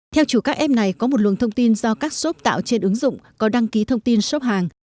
theo chủ các app này có một luồng thông tin do các shop tạo trên ứng dụng có đăng ký thông tin shop hàng